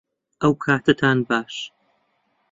ئەوکاتەتان باش